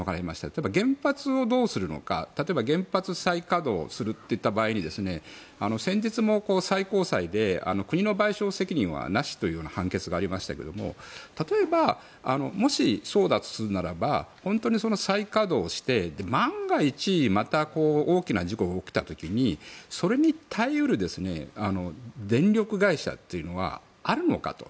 例えば原発をどうするのか例えば原発再稼働するといった場合に先日も最高裁で国の賠償責任はなしという判決がありましたが例えば、もしそうだとするならば本当に再稼働して万が一また大きな事故が起きた時にそれに耐え得る電力会社というのはあるのかと。